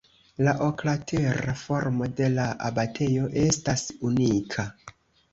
La oklatera formo de la abatejo estas unika.